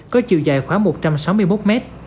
có chiều dài khoảng một trăm sáu mươi một m